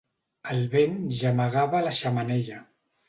El vent gemegava a la xemeneia.